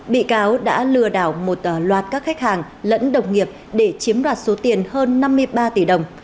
bị cáo đã lừa đảo một loạt các khách hàng lẫn đồng nghiệp để chiếm đoạt số tiền hơn năm mươi ba tỷ đồng